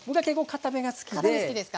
かため好きですか？